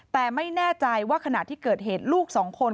แต่ไม่แน่ใจว่าขณะที่เกิดเหตุลูกสองคน